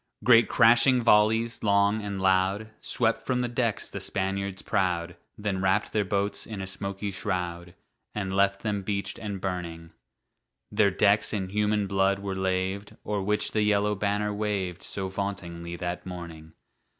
Great crashing volleys, long and loud, Swept from the decks the Spaniards proud, Then wrapped their boats in a smoky shroud, And left them beached and burning. Their decks in human blood were laved, O'er which the yellow banner waved So vauntingly that morning.